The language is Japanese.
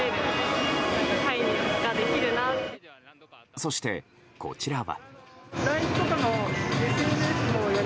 そして、こちらは。